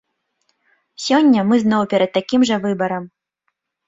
Сёння мы зноў перад такім жа выбарам.